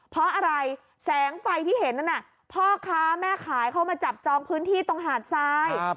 เพราะอะไรแสงไฟที่เห็นนั่นน่ะพ่อค้าแม่ขายเข้ามาจับจองพื้นที่ตรงหาดทราย